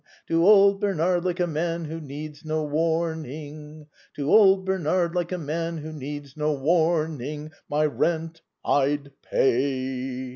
To old Bernard, like a man who needs no warning. To old Bernard, like a man who needs no warning, My rent I'd pay